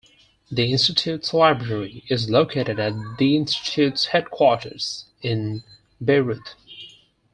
The Institute's library is located at the Institutes's headquarters in Beirut.